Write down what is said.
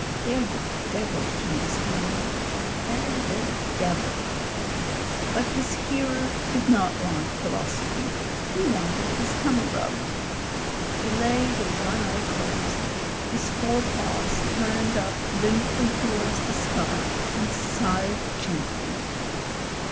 They're the devil, James Henry — ^they're the devil." But his hearer did not want philosophy ; he wanted his tummy rubbed. He lay with one eye closed, his four paws turned up limply towards the sky, and sighed gently.